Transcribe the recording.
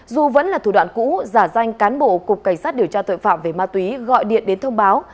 dù vẫn là thủ đoạn cũ giả danh cán bộ cục cảnh sát điều tra tội phạm về ma túy gọi điện đến thông báo